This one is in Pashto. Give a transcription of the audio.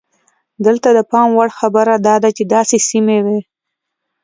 دلته د پام وړ خبره دا ده چې داسې سیمې وې.